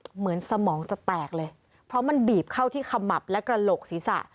เหมือนสมองจะแตกเลยเพราะมันบีบเข้าที่ขมับและกระโหลกศีรษะ